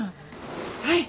はい。